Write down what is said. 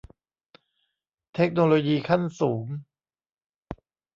เทคโนโลยีขั้นสูง